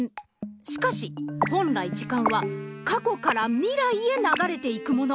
しかし本来時間はかこからみらいへながれていくもの。